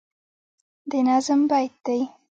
د نظم بیت دی